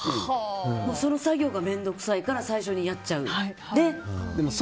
その作業が面倒くさいから最初にやっちゃう。